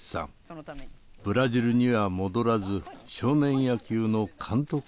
ブラジルには戻らず少年野球の監督を続けていました。